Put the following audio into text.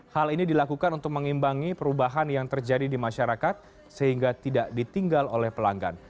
hal ini dilakukan untuk mengimbangi perubahan yang terjadi di masyarakat sehingga tidak ditinggal oleh pelanggan